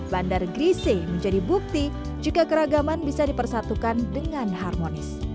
bandar grise menjadi bukti jika keragaman bisa dipersatukan dengan harmonis